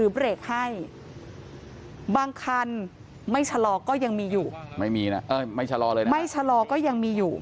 เบรกให้บางคันไม่ชะลอก็ยังมีอยู่ไม่มีนะไม่ชะลอเลยนะไม่ชะลอก็ยังมีอยู่